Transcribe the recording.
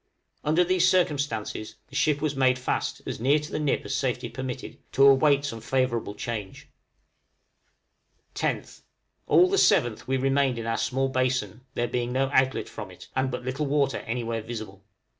Under these circumstances the ship was made fast as near to the nip as safety permitted, to await some favorable change. 10th. All the 7th we remained in our small basin, there being no outlet from it, and but little water anywhere visible.